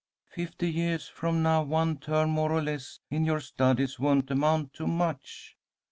Fifty years from now one term more or less in your studies won't amount to much.